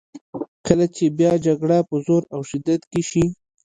کله چې بیا جګړه په زور او شدت کې شي.